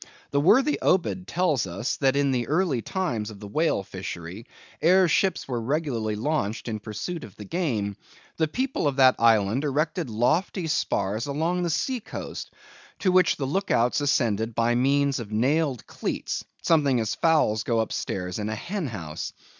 The worthy Obed tells us, that in the early times of the whale fishery, ere ships were regularly launched in pursuit of the game, the people of that island erected lofty spars along the sea coast, to which the look outs ascended by means of nailed cleats, something as fowls go upstairs in a hen house.